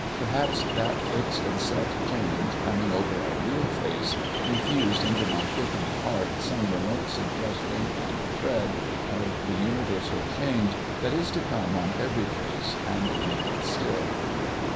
Perhaps that fixed and set change coming over a real face, infused into my quickened heart some remote suggestion and dread of the universal change that is to come on every face, and make it still